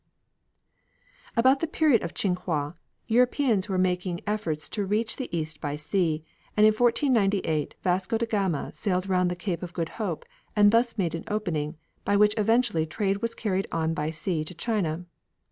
At about the period of Ching hwa, Europeans were making efforts to reach the East by sea, and in 1498 Vasco de Gama sailed round the Cape of Good Hope, and thus made an opening, by which eventually trade was carried on by sea to China.